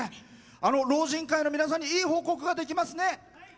老人会の皆さんにいい報告ができますね。